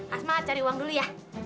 asma cari uang dulu ya